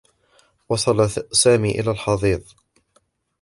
وصل سامي إلى الحضيض.